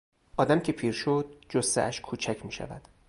آدم که پیر شد جثهاش کوچک میشود.